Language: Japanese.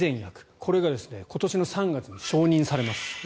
これが今年の３月に承認されます。